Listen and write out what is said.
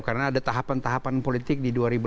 karena ada tahapan tahapan politik di dua ribu delapan belas